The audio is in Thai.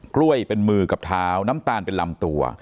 กล้วยเป็นมือกับเท้าน้ำตาลเป็นลำตัว